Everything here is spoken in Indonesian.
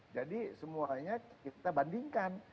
jadi semuanya kita bandingkan